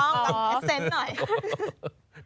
อ๋อตามเอสเซ็นต์หน่อย